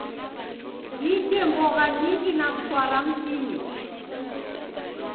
Dije mbogha nyingi na mswara mtini..